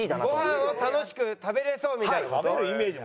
ご飯を楽しく食べれそうみたいな事？